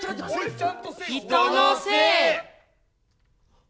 人のせい！